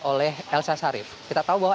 oleh elsa sharif kita tahu bahwa